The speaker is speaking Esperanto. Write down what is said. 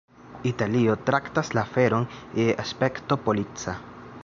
Italio traktas la aferon je aspekto polica.